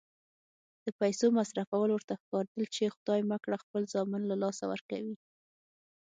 د پیسو مصرفول ورته ښکارېدل چې خدای مه کړه خپل زامن له لاسه ورکوي.